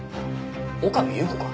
岡部祐子か？